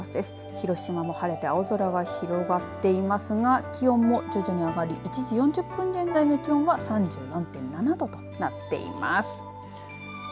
広島も晴れて青空が広がっていますが気温も徐々に上がり１時４０分現在の気温は３４．７度などとなっています。